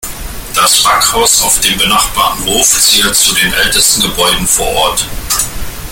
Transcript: Das Backhaus auf dem benachbarten Hof zählt zu den ältesten Gebäuden vor Ort.